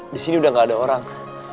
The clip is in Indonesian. di sini udah gak ada orang